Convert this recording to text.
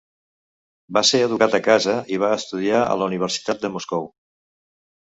Va ser educat a casa, i va estudiar a la Universitat de Moscou.